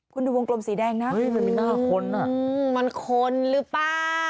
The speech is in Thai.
คุณดูวงกลมสีแดงนะมันเป็นหน้าคนอ่ะมันคนหรือเปล่า